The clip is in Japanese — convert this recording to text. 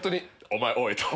「お前おい」と。